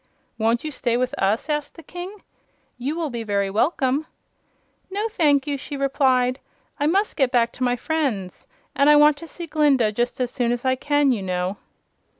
"Won't you stay with us?" asked the King. "You will be very welcome." "No, thank you," she replied. "I must get back to my friends. And I want to see Glinda just as soon as I can, you know."